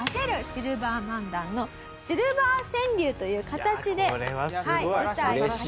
シルバー漫談のシルバー川柳という形で舞台に立ち続けました。